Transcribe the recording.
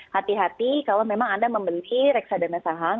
hati hati kalau memang anda membeli reksadana saham